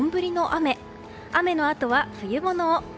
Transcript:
雨のあとは冬物を。